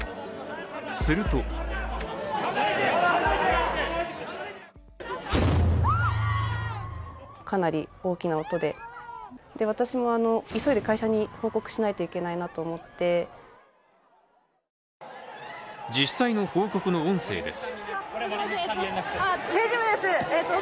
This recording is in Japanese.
すると実際の報告の音声です。